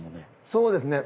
そうですね。